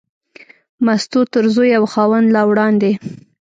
مستو تر زوی او خاوند لا وړاندې.